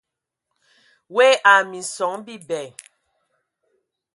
Woe ai minson bibɛ.